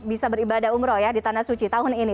bisa beribadah umroh ya di tanah suci tahun ini